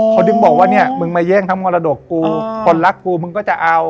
เขาถึงบอกว่าเนี่ยมึงมาแย่งทั้งมรดกกูคนรักกูมึงก็จะเอา